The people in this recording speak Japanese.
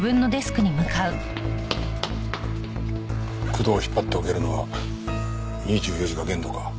工藤を引っ張っておけるのは２４時が限度か。